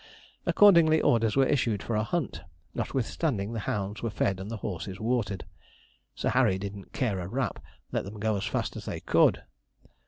Accordingly, orders were issued for a hunt, notwithstanding the hounds were fed and the horses watered. Sir Harry didn't 'care a rap; let them go as fast as they could.'